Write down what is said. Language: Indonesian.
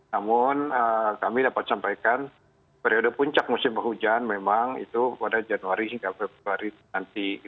namun kami dapat sampaikan periode puncak musim penghujan memang itu pada januari hingga februari nanti